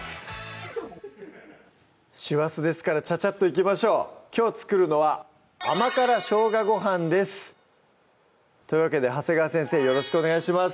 師走ですからちゃちゃっといきましょうきょう作るのは「あまから生姜ごはん」ですというわけで長谷川先生よろしくお願いします